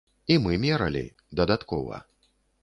І мы мералі, дадаткова.